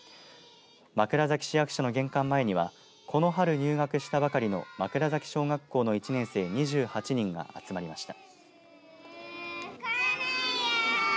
枕崎市役所の玄関前にはこの春入学したばかりの枕崎小学校の１年生２８人が集まりました。